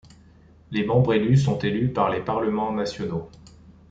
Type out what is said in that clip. Les membres élus sont élus par les parlements nationaux.